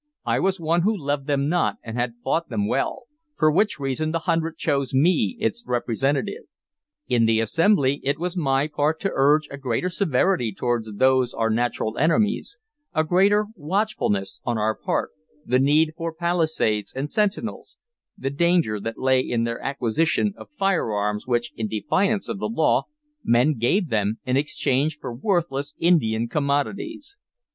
I was one who loved them not and had fought them well, for which reason the hundred chose me its representative. In the Assembly it was my part to urge a greater severity toward those our natural enemies, a greater watchfulness on our part, the need for palisades and sentinels, the danger that lay in their acquisition of firearms, which, in defiance of the law, men gave them in exchange for worthless Indian commodities.